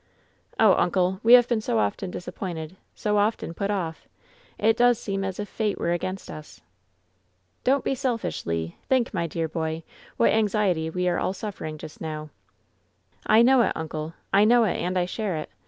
"Oh, imcle, we have been so often disappointed, so often put off 1 It does seem as if fate were against us!" "Don't be selfish. Lei Think, my dear boy, what anx iety we are all suffering just now !" "I know it, uncle! I know it, and I share it!